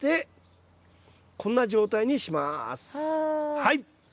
はい！